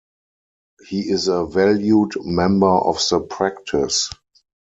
He is a valued member of the practice.